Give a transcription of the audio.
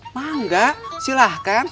mau gak silahkan